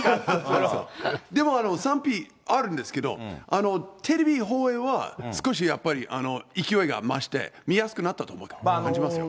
でも賛否あるんですけど、テレビ放映は少しやっぱり勢いが増して、見やすくなったと感じますよ。